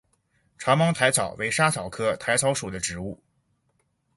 长芒薹草为莎草科薹草属的植物。